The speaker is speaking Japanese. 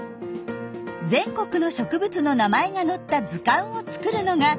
全国の植物の名前が載った図鑑を作るのが夢でした。